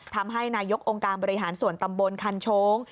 ทำให้นายกองค์การบริหารส่วนตำบลคันโชง